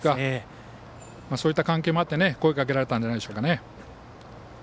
そういった関係もあって声をかけられたんじゃないでしょうかね。